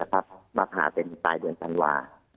ที่จะมาผ่าเป็นใต้เดือนธันวา